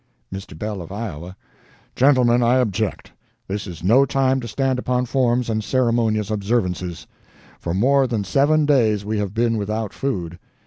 "MR. BELL of Iowa: 'Gentlemen I object. This is no time to stand upon forms and ceremonious observances. For more than seven days we have been without food.